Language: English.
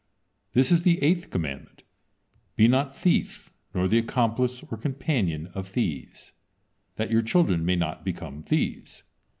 This is the eighth commandment: "Be not thief, nor the accomplice or companion of thieves, that your children may not become thieves."